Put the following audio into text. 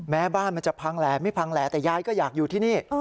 บ้านมันจะพังแหล่ไม่พังแหล่แต่ยายก็อยากอยู่ที่นี่